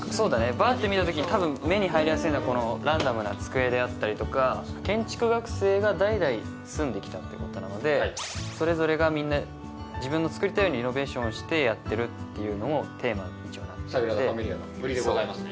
バーッて見たとき多分目に入りやすいのはこのランダムな机であったりとか建築学生が代々住んできたってことなのでそれぞれがみんな自分の作りたいようにリノベーションをしてやってるっていうのもテーマに一応なっててそれがファミリ家の売りでございますね